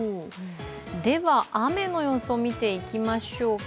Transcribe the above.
では雨の予想を見ていきましょうか。